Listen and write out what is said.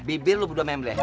bibir lu berdua membleh